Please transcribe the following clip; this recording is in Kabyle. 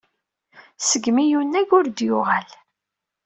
Segmi i yunag, ur d-yuɣal.